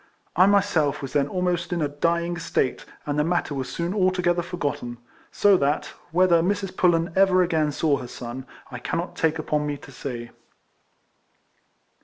I myself was then almost in a dying state, and the matter was soon altogether forgot ten. So that, whether Mrs. Pullen ever again saw her son, I cannot take upon me to say.